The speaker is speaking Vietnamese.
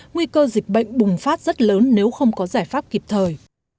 nguy cơ dịch bệnh bùng phát rất lớn nếu không có giải pháp kịp thời